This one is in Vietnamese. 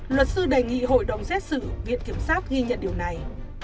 luật sư đề nghị hội đồng xét xử viện kiểm sát ghi nhận điều này